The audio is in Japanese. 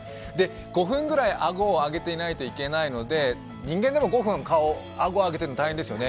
５分ぐらいあごを上げていないといけないので人間でも５分、あごを上げているのが大変ですよね。